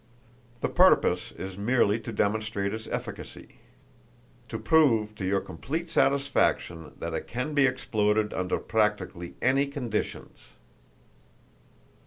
The purpose is merely to demonstrate its efficacy; to prove to your complete satisfaction that it can be exploded under practically any conditions."